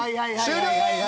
終了！